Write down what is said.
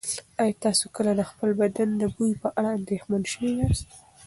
ایا تاسو کله د خپل بدن د بوی په اړه اندېښمن شوي یاست؟